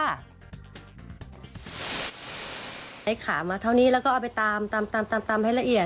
ไอ้ขามาเท่านี้แล้วก็เอาไปตามตามให้ละเอียด